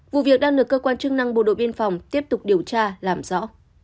vụ việc đang được cơ quan chức năng bộ đội biên phòng tiếp tục điều tra làm rõ